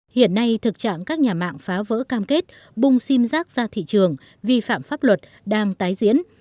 hiện nay thực trạng các nhà mạng phá vỡ cam kết bung sim giác ra thị trường vi phạm pháp luật đang tái diễn